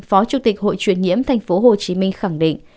phó chủ tịch hội truyền nhiễm tp hcm khẳng định